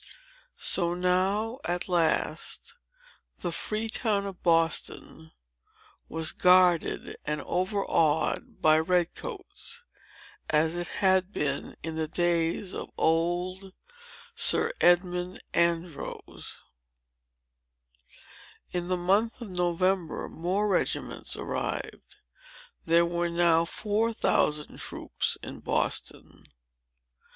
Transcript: So now, at last, the free town of Boston was guarded and over awed by red coats, as it had been in the days of old Sir Edmund Andros. In the month of November, more regiments arrived. There were now four thousand troops in Boston.